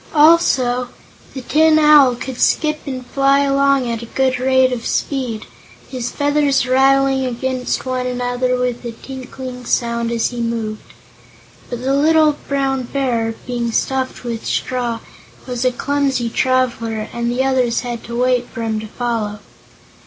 Also the Tin Owl could skip and fly along at a good rate of speed, his feathers rattling against one another with a tinkling sound as he moved. But the little Brown Bear, being stuffed with straw, was a clumsy traveler and the others had to wait for him to follow.